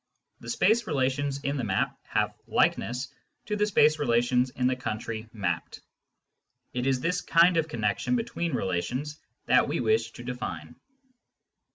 The space relations in the map have " likeness " to the space relations in the country mapped. It is this kind of connection between relations thaV we wish to define.